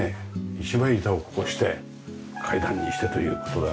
一枚板をこうして階段にしてという事だよね。